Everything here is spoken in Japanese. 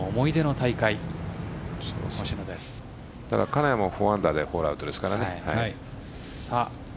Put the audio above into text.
金谷も４アンダーでホールアウトですからね。